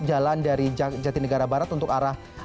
jalan dari jati negara barat untuk arah